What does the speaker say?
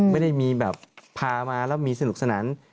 ไม่ได้มีแบบพามาแล้วมีสนุกสนาน